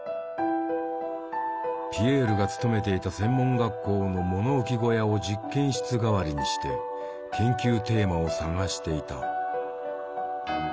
ピエールが勤めていた専門学校の物置小屋を実験室代わりにして研究テーマを探していた。